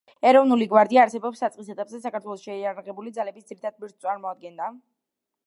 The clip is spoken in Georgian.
ეროვნული გვარდია არსებობის საწყის ეტაპზე საქართველოს შეიარაღებული ძალების ძირითად ბირთვს წარმოადგენდა.